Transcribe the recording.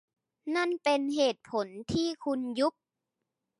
นั่นเป็นเหตุผลที่คุณยุบ